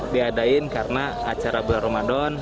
diadain karena acara bulan ramadan